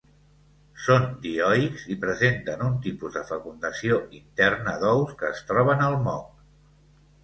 Són dioics i presenten un tipus de fecundació interna d'ous que es troben al moc.